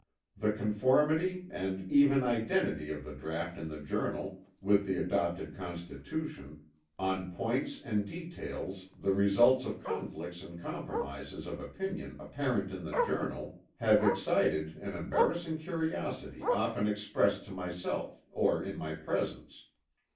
The conformity, and even identity of the draught in the Journal, with the adopted Constitution, on points and details the results of conflicts and compromises of opinion apparent in the Journal, have excited an embarrassing curiosity often expressed to myself or in my presence.